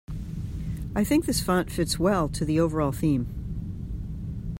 I think this font fits well to the overall theme.